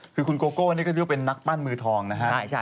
คือคุณโกโก้นี่ก็เรียกว่าเป็นนักปั้นมือทองนะฮะ